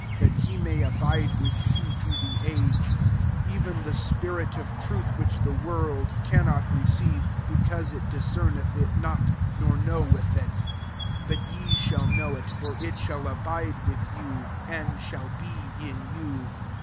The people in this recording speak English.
187 may abide with you to the age j 17 even the spirit of truth, which the world cannot receive, because it discerneth it not, nor knoweth it ; but ye shall know it ; for it shall abide with you, and shall be in you.